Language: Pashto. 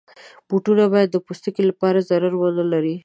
بوټونه باید د پوستکي لپاره ضرر ونه لري.